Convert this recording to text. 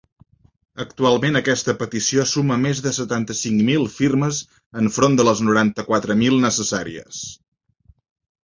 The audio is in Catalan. Actualment aquesta petició suma més de setanta-cinc mil firmes enfront de les noranta-quatre mil necessàries.